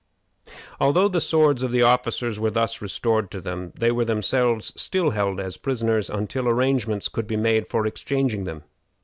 Although the swords of the officers were thus restored to them, they were themselves still held as prisoners until arrangements could be made for exchanging them.